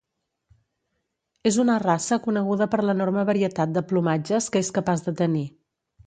És una raça coneguda per l'enorme varietat de plomatges que és capaç de tenir.